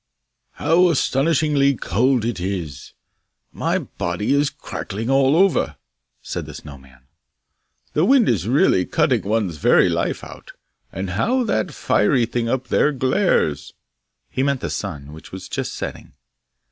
'How astonishingly cold it is! My body is cracking all over!' said the Snow man. 'The wind is really cutting one's very life out! And how that fiery thing up there glares!' He meant the sun, which was just setting.